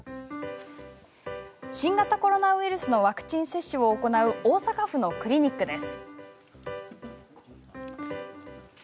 新型コロナウイルスのワクチン接種を行う大阪府のクリニックです。